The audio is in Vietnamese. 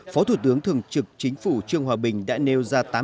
phó thủ tướng thường trực chính phủ trương hòa bình đã nêu ra tám nhận